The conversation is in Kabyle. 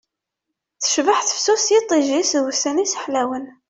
Tecbeḥ tefsut s yiṭij-is d wussan-is ḥlawen